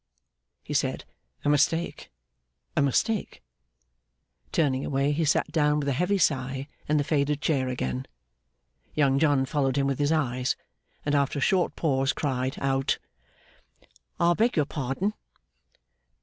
he said. 'A mistake, a mistake!' Turning away, he sat down with a heavy sigh in the faded chair again. Young John followed him with his eyes, and, after a short pause, cried out, 'I beg your pardon!